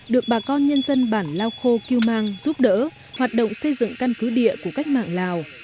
được bà con nhân dân bản lao khô kêu mang giúp đỡ hoạt động xây dựng căn cứ địa của cách mạng lào